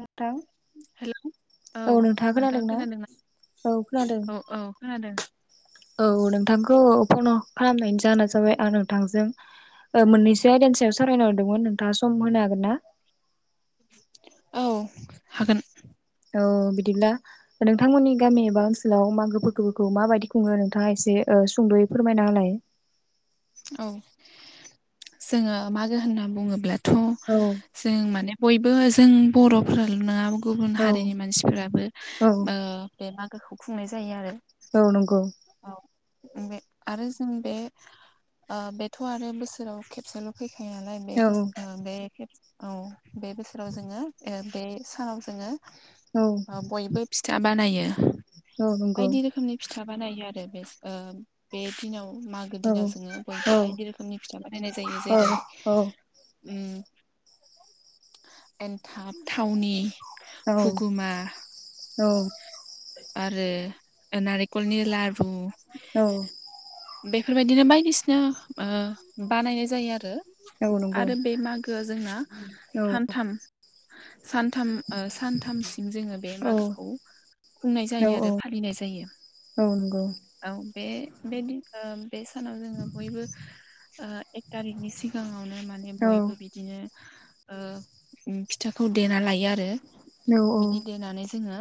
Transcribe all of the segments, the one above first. नोंथां हेल' औ नोंथाङा नोंथां खोनादों ना खोनादोंना औ खोनादों। औ औ खोनादों। औ नोंथांखौ फन खालामनायनि जाना जाबाय आं नोंथांजों ह मोननैसो आयदानि सायाव सावरायनो हरदोंमोन नोंथाङा सम होनो हागोन ना औ हागोन औ बिदिब्ला नोंथांमोननि गामि एबा ओनसोलाव मागो फोरगफोरखौ माबायदि खुङो नोंथाङा एसे सुंद'यै फोरमायना होलाय औ जोङो मागो होनना बुङोब्लाथ' औ जों माने बयबो जों बर'फोराल' नङा गुबुन औ हारिनि मानसिफोराबो औ बे मागोखौ खुंनाय जायो आरो। औ नागौ। बे आरो जों बे ओ बेथ' आरो बोसोराव खेबसेल' फैख खायो नालाय बे औ बसोर बे औ बे बोसोराव जोङो बे सानाव जोङो औ बयबो फिथा बानायो औ नंगौ बायदि रोखोमनि फिथा बानायो आरो बे बे दिनाव मागो औ दिनाव जोङो औ बयबो बायदि रोखोमनि फिथा बानायनाय जायो औ जेरै उम एन्थाब थावनि हुगुमा औ औ आरो नारेंखलनि ला रु बेफोरबाय दिनो बायदिसिना बानायनाय जायो आरो। नंगौ आरो बे मागोआ जोंना औ सानथाम सानथाम सानथामसिम जोङो बे मागोखौ खुंनाय औ जायो आरो औ फालिनाय जायो। औ नंगौ औ बे बे दिन सानाव जोङो बयबो एक थारिखनि सिगाङावनो माने औ बयबो बिदिनो ओ फिथाखौ देना लायो आरो औ बिदि देनानै जोङो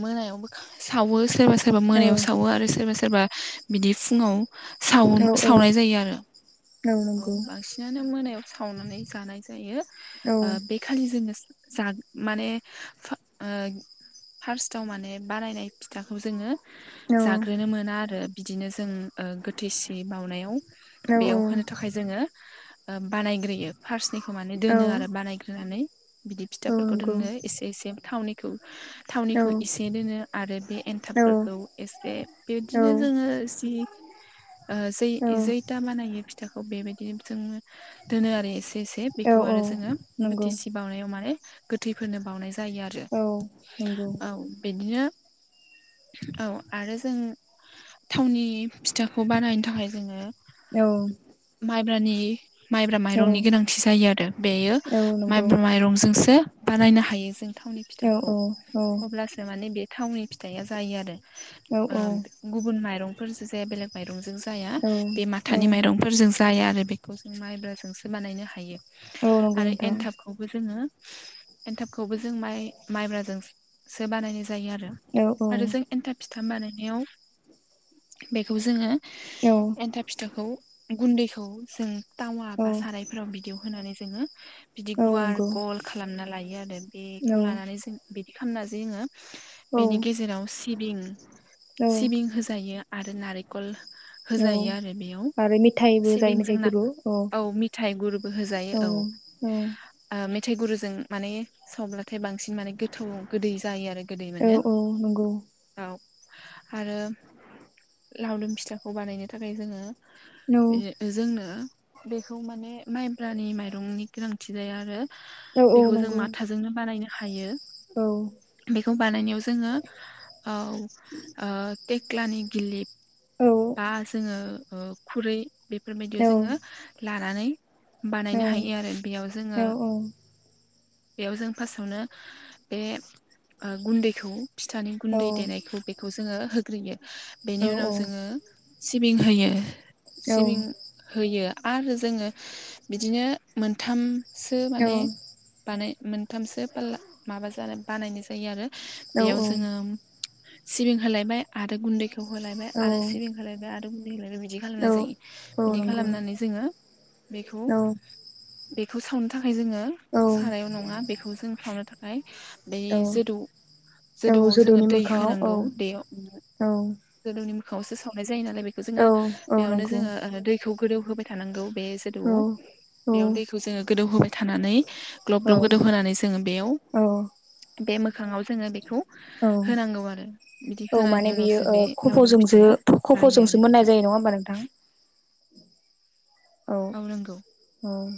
मोनायावबो सावो सोरबा सोरबा औ मोनायाव सावो आरो सोरबा सोरबा बिदि फुङाव साव औ सावनाय जायो आरो। औ नंगौ बांसिनानो मोनायाव सावनानै जानाय जायो औ बे खालि जोङो जा माने सा फार्स्टाव माने बानायनाय फिथाखौ जोङो औ जाग्रोनो मोना आरो। बिदिनो जों गोथै सि बाउनायाव औ बेयाव होनो थाखाय जोङो बानायग्रोयो फार्स्निखौ माने औ दोनो आरो बानायग्रोनानै। बिदि फिथाफोरखौ नंगौ दोननो एसे एसे थावनिखौ औ थावनिखौ इसे दोनो आरो बे औ एन्थाबफोरखौ एसे बिबदिनो जोङो जि जै औ जैथा बानायो फिथाखौ बेबायदि जोङो दोनो आरो एसे एसे बेखौ औ आरो जोङो नंगौ बोथिसि बावनायाव माने गोथैफोरनो बावनाय जायो आरो औ नंगौ औ बिदिनो [inaudible] औ आरो जों थावनि फिथाखौ बानायनो थाखाय जोङो औ माइब्रानि माइब्रा औ माइरंनि गोनांथि जायो आरो बेयो औ माइब्रा माइरंजोंसो बानायनो हायो जों थावनि फिथाखौ अब्लासो माने बे थावनि फिथाइया जायो आरो गुबुन माइरंफोरजों जाया बेलेग माइरंजों जाया बे माथानि नंगौ माइरंफोरजों जाया आरो बेखौ जों माइब्राजोंसो बानायनो हायो। आरो नोंथां एनथाबखौबो जोङो एनथाबखौबो जों माइ माइब्राजोंसो बानायनाय जायो आरो औ आरो जों एन्थाब फिथाम बानाय नायाव बेखौ जोङो औ एन्थाब फिथाखौ गुन्दैखौ जों टावा बा सारायफोराव बिदियाव होनानै जोङो बिदि औ गुवार नंगौ गल खालामना लायो आरो औ बेखौ लानानै जों बिदि खालामना जै जोङो औ बेनि गेजेराव सिबिं औ सिबिं होजायो आरो नारेखल होजायो आरो बेयाव आरो मिथाइबो जायो मेथाइ सिबिंजोंना गुरु औ मिथाइ गुरबो होजायो औ औ। औ ओ मेथाइ गुरुजों माने सावब्लाथाय बांसिन माने गोथौ गोदै जायो आरो। गोदै औ मोनो नंगौ औ। आरो लावदुम फिथाखौ बानायनो थाखाय जोङो औ जोंनो बेखौ माने माइब्रानि माइरंनि गोनांथि जाया आरो औ औ बेखौ जों नंगौ माथाजोंनो बानायनो हायो औ बेखौ बानायनायाव जोङो औ ओ तेक्लानि गिलिब औ बा जोङो खुरै बेफोरबायदियाव औ जोङो लानानै औ बानायनो हायो आरो बेयाव जोङो औ बेयाव जों फार्स्टआवनो बे ओ गुन्दैखौ फिथानि औ गुन्दै देनायखौ बेखौ जोङो होग्रोयो बेनि औ उनाव औ जोङो सिबिं होयो सिबिं होयो आरो जोङो बिदिनो मोनथामसो माने बानाय मोनथामसो पाल्ला माबा जा बानायनाय जायो आरो बेयाव जोङो सिबिं होलायबाय आरो गुन्दैखौ होलायबाय औ औ आरो सिबिं होलायबाय आरो [unintelligible] बिदि खालामनाय औ जायो औ बिदि नंगौ खालामनानै जोङो बेखौ औ बेखौ सावनो थाखाय जोङो औ सारायाव नङा बेखौ जों सावनो थाखाय औ [unintelligible] जोदोवाव जोङो जोदौनि दै मोखाङाव औ होनांगौ दैयाव औ जोदौनि मोखाङावसो सावनाय जायो नालाय बेखौ औ जोङो औ बेयावनो नंगौ जोङो दैखौ गोदौ होबाय थानांगौ बे जोदौ औ औ बेयाव दैखौ जोङो गोदौहोबाय थानानै ग्लब ग्लब गोदौ होनानै जोङो बेयाव औ बे मोखाङाव जोङो बेखौ होनांगौ आरो बिदि औ होननि माने बियो उनावसो ओ बे लावदुम फि खफ'जोंसो खफ'जोंसो मोननाय जायो नङा होमबा नोंथां औ औ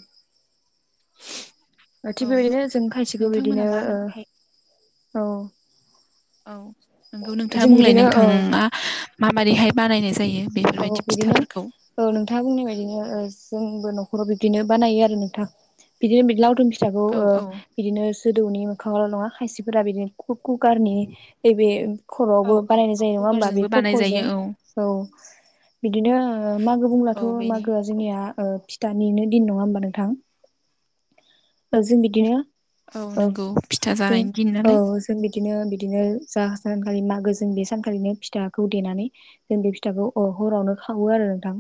ओ थिग औ बेबायदिनो जों खायसेखौ नोंथांमोना बिदिनो माबायदिहाय औ औ नोंगौ नोंथाङा जों बुंलाय बिदिनो औ नोंथाङा माबोरैहाय बानायनाय जायो औ बेफोरबायदि बिदिनो फिथाफोरखौ औ नोंथाङा बुंनाय बायदिनो ओ जोंबो न'खराव बिब्दिनो बानायो आरो नोंथां बिदिनो लावदुम फिथाखौ औ ओ औ बिदिनो जोदौनि मोखाङावल' नङा खायसेफोरा बिदिनो कुकारनि नैबे औ खर'आवबो औ बानायनाय औ जायो नङा होमबा बे कुकारजोंबो बानाय जायो खफ'जों औ बिदिनो मागो बुंब्लाथ' औ बेनि मागोआ जोंनिया ओ फिथानिनो दिन नङा होमबा नोंथां जों बिदिनो औ नंगौ फिथा ज जानायनि दिन औ नालाय जों बिदिनो बिदिनो जा सानखालि मागो जों बे सानखालिनो फिथाखौ देनानै जों बे फिथाखौ अ हरावनो खावो आरो नोंथां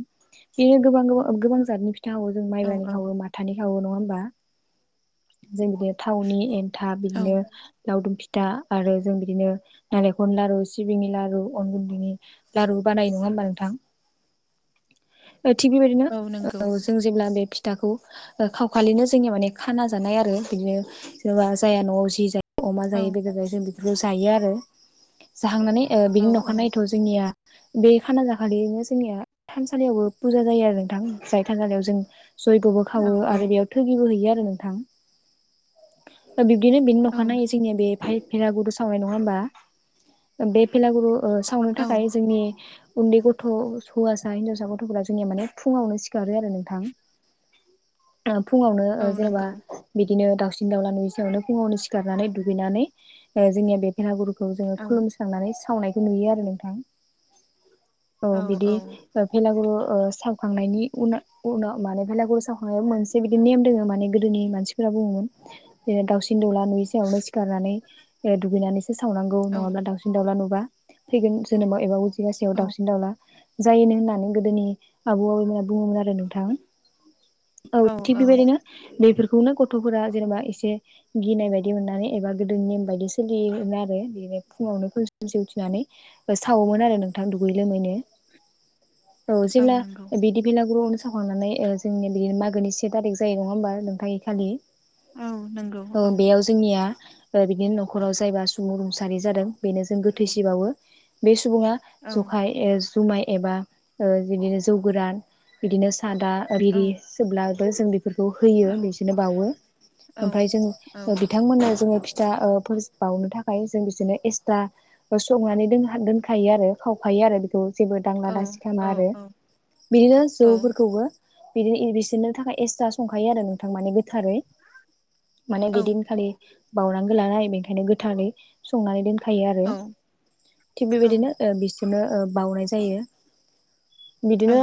बेनो गोबां गोबां गोबां जातनि फि खावो जों औ माइब्रानि खावो माथानि खावो नङा होनबा जों बिदिनो थावनि एन्थाब औ बिदिनो लावदुम फिथ था आरो जों बिदिनो नालेंखरनि लारु सिबिंनि लारु अन गुन्दैनि लारु बानायो नङा होमबा नों थां ओ थिक बेबायदिनो औ नंगौ ओ जों जेब्ला बे फि थाखौ खावखालिनो जोंनिया माने खाना जानाय आरो बिदिनो जेनेबा जाया न'आव जि जा अमा औ जायो बेदर जायो जों बेफोरखौ जायो आरो जाखांनानै ओ बिनि औ नखानायैथ' जोंनिया बे खाना जाखालिनो जोंनिया थानसालियावबो फुजा जायो आरो नोंथां जाय थानसालियाव जों जयग'बो खावो औ आरो बेयाव औ थोगिबो हैयो आरो नोंथां बिब्दिनो बेनि न'खा नायो जोंनिया बे भेलागुरु सावनाय नङा हबा बे भेलागुरु ओ सावनो औ थाखाय जोंनि उन्दै गथ' हौवासा हिनजावसा गथ'फोरा जोंनिया माने फुङावनो सिखारो आरो नोंथां फुङावनो औ जेनेबा नंगौ बिदिनो दाउसिन दावला नुयैसायावनो फुङावनो सिखारनानै दुगैनानै जोंनिया बे भेरागुरु खौ जोङो औ खुलुमस्रांनानै सावनायखौ नुयो आरो नोंथां औ बिदि भेलागुरु ओ सावखांनायनि उनाव उनाव माने भेलागुरि सावखांनायाव मोनसे बिदि नेम दोङ माने गोदोनि मानसिफोरा बुङमोन बे दाउसिन दाउला नुयै सियावनो सिखारनानै ओ दुगैनानैसो सावनांगौ औ नङाब्ला दावसिन दावला नु बा फैगोन जोनोमाव एबा औ उजिगासेयाव दावसिन जायोनो होननानै गोदोनि आबौ आबैमोना बुङोमोन आरो नोंथां औ थिग बेबायदिनो बेफोर खौनो गथ'फोरा जेनेबा एसे गिनाय बायदि मोननानै एबा गोदो नेम बायदि सोलियोमोन आरो बे फुङावनो उथिनानै सावोमोन आरो नोंथां दुयै लोमैनो औ जेब्ला बिदि भेलागुरावनो सावखांनानै जोंनि बे मागोनि से थारिख जायो नङा होमबा नोंथाङ इखालि औ नंगौ औ बेयाव जोंनिया ओ बिदिनो न'खराव जायबा सुबुं रुंसारि जादों बेनो जों गोथैसि बावो बे सुबुङा औ जखाय ए जुमाय एबा ओ बिदिनो जौ गोरान बिदिनो नादा औ रिरि सोब्लाबो जों बेखौ औ होयो बिसिनो बाउवो औ ओमफाय जों औ बिथांमोननो जोङो फि जा ओ फोरिस बावनो थाखाय जों बिसोरनो एक्सथ्रा संनानै दो दोनखायो आरो खावफायो आरो बेखौ जेबो दांला औ दासि औ खालामा आरो औ बिदिनो जौफोरखौबो बिदिनो एदबिसिननो थाखाय एक्सट्रा संखायो आरो नोंथां माने थारै माने बेदिन खालि बावउनांगो लानाय बेनिखायनो गोथारै संनानै दोनखायो आरो औ थिग बेबायदिनो बिसरनो ओ बावनाय जायो औ बिदिनो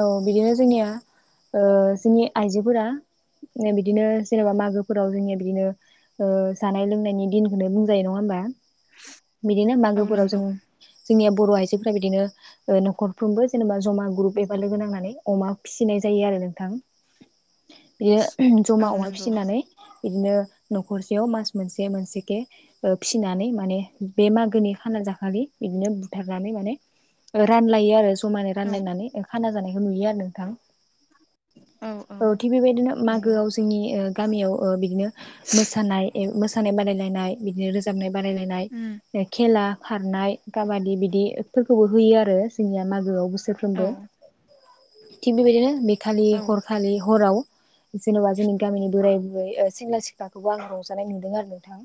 औ बिदिनो जोंनिया ओ जोंनि आइजोफोरा ओ बिदिनो जेनेबा मागोफोराव जोंनिया बिदिनो ओ जानाय लोंनायनि दिनखौनो बुंजायो नङा होमबा बिदिनो औ मागोफोराव जों नंगौ जोंनिया बर' आइजोफोरा बिदिनो ओ न'खरफ्रोमबो जेनेबा जमा ग्रुप एबा लोगो नांनानै अमा फिसि नाय जायो आरो नोंथां बेयो औ जमा अमा नंगौ फिसिनानै बिदिनो न'खरसेयाव मास मोनसे मोनसेखे ओ फिसिनानै माने बे मागोनि खाना जाखालि बिदिनो बुथारनानै माने रानलायो आरो जमानो औ रानलायनानै खाना जानायखौ नुयो आरो नोंथां औ थिग बेबायदिनो औ नंगौ मागोआव जोंनि ओ गामियाव ओ बिदनो मोसानाय ए मोसानाय बादायलायनाय बिदिनो रोजाबनाय उम बादायलायनाय खेला खारनाय काबादि बिदिफोरखौबो होयो आरो जोंनिया मागोआव बोसोरफ्रोमबो औ थिग बेबायदिनो बेखालि औ हरखालि हराव जेन'बा जोंनि गामिनि बोराय बुरै ओ सेंग्रा सिख्लाखौबो आं रंजानाय नुदों आरो नोंथां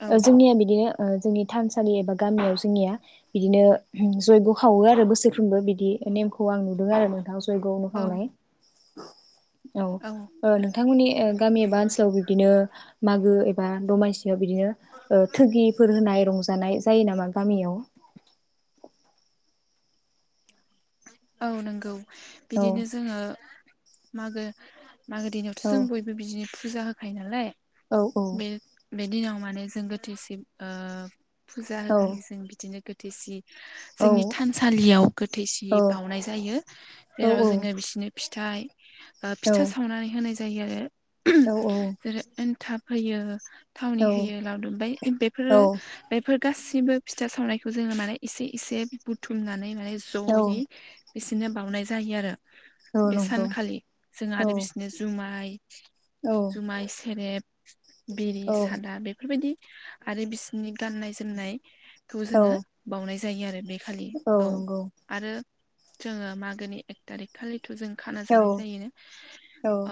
औ ओ जोंनिया बिदिनो ओ जोंनि थानसालि एबा गामियाव जोंनिया बिदिनो जयग' खावो आरो बोसोरफ्रोमबो बिदि नेमखौ आं नुदों आरो नोंथां जयग'नो खावनाय औ ओ नोंथांमोननि ओ गामि एबा ओनसोलाव बिदिनो मागो एबा दमासि बेयाव बिदिनो थगिफोर होनाय रंजानाय जायो नामा गामियाव औ नंगौ औ बिदिनो जोङो मागो मागो दिनावथ' औ जों बयबो बिदिनो फुजा होखायो नालाय औ बे बे दिनाव माने जों गोथैसिम ओ फुजा औ होखालि जों बिदिनो गोथैसि औ जोंनि थानसालियाव गोथैसि औ बावउनाय जायो जेराव औ जोङो बिसिनो फिथाइ ओ फिथा सावनानै होनाय जायोआरो औ औ थाब होयो औ थावनि होयो औ गासिबो फिथा सावनायखौ जोङो माने एसे एसे बुथुमनानै माने औ जयै बिसोरनो बाउनाय जायो आरो औ बे नंगौ सानखालि जों औ आरो बिसनो जुमाय औ जुमाय सेरेब बिरि औ सादा बेफोरबायदि आरो बिसोरनि गाननाय जोमनाय खौ औ जोङो बाउनाय जायो आरो बे खालि औ आरो जोङो मागोनि एक थारिख खालि थ' जों खाना औ जानाय जायो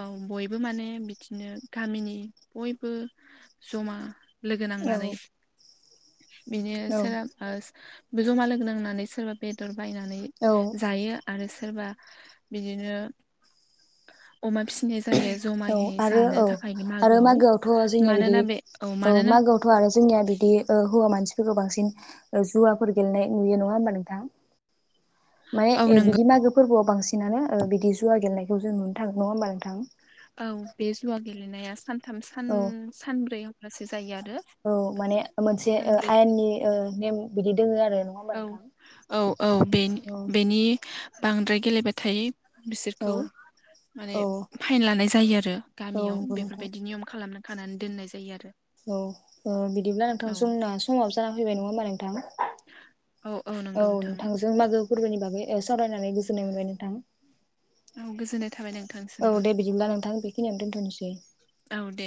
औ बयबो माने बिदिनो गामिनि बयबो जमा लोगो नांनानै बिनो औ सो बे जमा लोगो नांनानै सोरबा बेदर बायनानै जायो आरो सोरबा बिदिनो अमा फिसिनाय जायो जमायै आरो जानो औ थाखाय आरो मागोआव मानोना बे औ मानोना गावथ' आरो जोंनिया बिदि ओ हौवा मानसि खौ बांसिन जुवाफोर गेलेनाय नुयो नङा होमबा नोंथाङा माये औ ए नों बिदि मागो फोरबोआव बांसिनानो ओ बिदि जुवा गेलेनायखौ जों नुनो थांगोन नङा होमबा नोंथां औ बे जुवा गेलेनाया सानथामान औ सान आरो औ माने मोनसे ओ सानब्रै आयेननि ओ नेम बिदि दोङो आरो नङा होमबा औ नोंथां औ औ बेन औ बेनि बांद्राय गेलेबायथाय बिसोरखौ औ माने औ फाइन लानाय जायो आरो औ गामियाव नंगौ नोंथां बेफोरबायदि नियम खालामना खानानै औ ओ बिदिब्ला नोंथां औ जोंना समाव जाना फैबाय नङा होमबा नोंथां [unintelligible] [inaudible] औ नंगौ नोंथां औ नोंथांजों औ मा गोजोननाय थाबाय नोंथांसिमबो औ दे औ